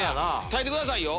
耐えてくださいよ。